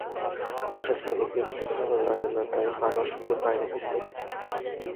বাসার ছাদে ভিজতে ভালো লাগে না, তাই বাবার সঙ্গে বাইরে ভিজতে এসেছি।